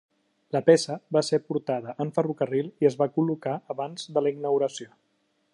La peça va ser portada en ferrocarril i es va col·locar abans de la inauguració.